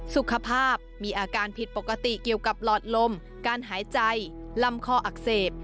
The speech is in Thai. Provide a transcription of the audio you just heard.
สุขภาพมีอาการผิดปกติเกี่ยวกับหลอดลมการหายใจลำคออักเสบ